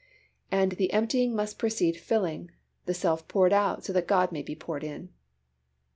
And the emptying must precede filling, the self poured out that God may be poured in.